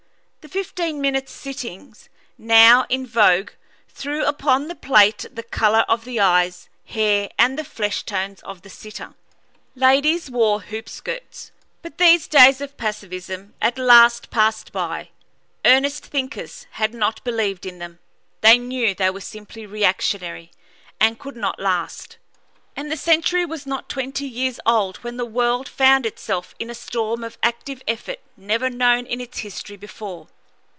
The fifteen minutes' sittings now in vogue threw upon the plate the color of the eyes, hair, and the flesh tones of the sitter. Ladies wore hoop skirts. But these days of passivism at last passed by; earnest thinkers had not believed in them; they knew they were simply reactionary, and could not last; and the century was not twenty years old when the world found itself in a storm of active effort never known in its history before.